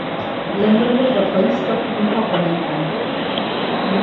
Lémbrollo porque isto nunca o comentan.